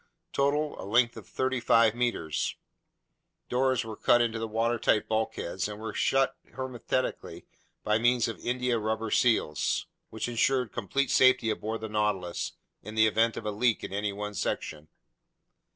Total: a length of 35 meters. Doors were cut into the watertight bulkheads and were shut hermetically by means of india rubber seals, which insured complete safety aboard the Nautilus in the event of a leak in any one section.